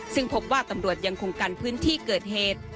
ซึ่งพบว่าตำรวจยังคงกันพื้นที่เกิดเหตุ